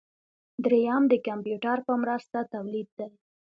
دریم د کمپیوټر په مرسته تولید دی.